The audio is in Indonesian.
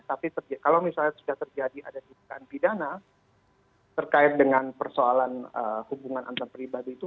tapi kalau misalnya sudah terjadi ada tindakan pidana terkait dengan persoalan hubungan antar pribadi itu